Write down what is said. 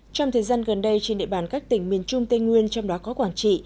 trong thời gian gần đây trên địa bàn các tỉnh miền trung tây nguyên trong đó có quảng trị